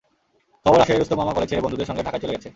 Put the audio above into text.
খবর আসে, রুস্তম মামা কলেজ ছেড়ে বন্ধুদের সঙ্গে ঢাকায় চলে গেছে।